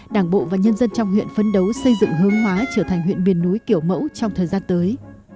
đảng bộ và nhân dân trong huyện phấn đấu xây dựng hương hóa trở thành huyện miền núi kiểu mẫu trong thời gian tới